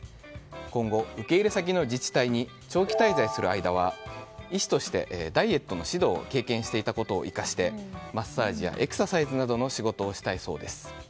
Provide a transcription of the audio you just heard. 今後、受け入れ先の自治体に長期滞在する間は医師として、ダイエットの指導を経験していたことを活かしてマッサージやエクササイズなどの仕事をしたいそうです。